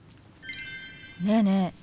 ねえねえ